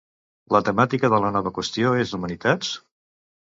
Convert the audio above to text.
La temàtica de la nova qüestió és d'humanitats?